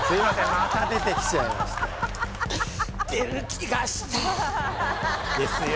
また出てきちゃいましたですよ